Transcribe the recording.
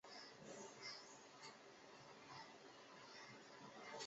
病因不明症指的是任何病因不明的疾病。